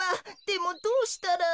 でもどうしたら。